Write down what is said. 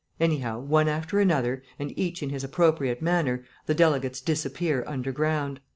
Anyhow, one after another, and each in his appropriate manner, the delegates disappear underground.